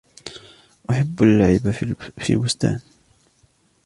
أحب اللعب في بستان.